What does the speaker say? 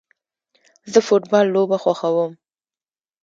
زه فټبال لوبه خوښوم